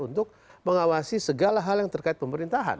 untuk mengawasi segala hal yang terkait pemerintahan